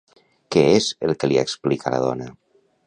Què és el que li explica la dona?